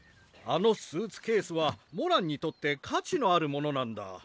あのスーツケースはモランにとって価値のあるものなんだ。